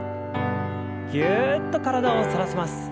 ぎゅっと体を反らせます。